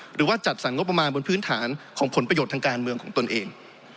หรือว่าจัดสรรงบประมาณบนพื้นฐานของผลประโยชน์ทางการเมืองของตนเอง